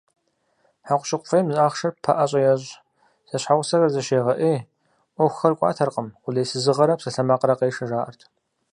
Хьэкъущыкъу фӀейм ахъшэр ппэӀэщӀэ ещӀ, зэщхьэгъусэхэр зыщегъэӀей, Ӏуэхухэр кӀуатэркъым, къулейсызыгъэрэ псалъэмакърэ къешэ жаӏэрт.